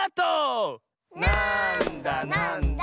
「なんだなんだ」